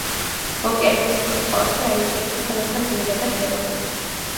ოკეანის თბილ წყალში აისბერგი თანდათან დნება და ქრება.